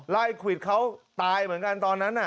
ควิดเขาตายเหมือนกันตอนนั้น